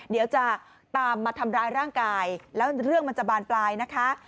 เดี๋ยวจะตามมาทำร้ายร่างกายแล้วเรื่องมันจะบานปลายนะคะ